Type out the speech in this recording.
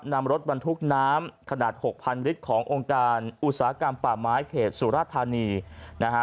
นำรถบรรทุกน้ำขนาดหกพันลิตรขององค์การอุตสาหกรรมป่าไม้เขตสุรธานีนะฮะ